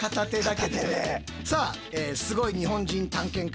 さあすごい日本人探検家